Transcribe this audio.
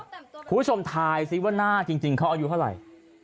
คุณผู้ชมทายสิว่าหน้าจริงเขาอายุเท่าไหร่